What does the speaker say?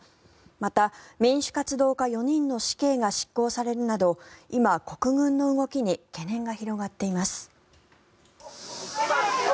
また、民主活動家４人の死刑が執行されるなど今、国軍の動きに懸念が広がっています。